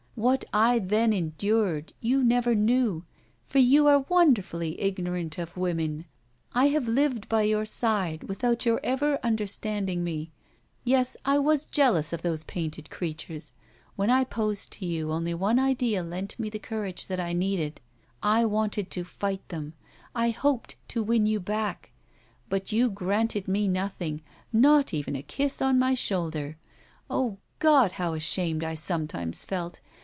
What I then endured you never knew, for you are wonderfully ignorant of women. I have lived by your side without your ever understanding me. Yes, I was jealous of those painted creatures. When I posed to you, only one idea lent me the courage that I needed. I wanted to fight them, I hoped to win you back; but you granted me nothing, not even a kiss on my shoulder! Oh, God! how ashamed I sometimes felt!